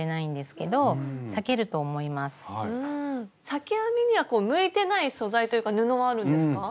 裂き編みには向いてない素材というか布はあるんですか？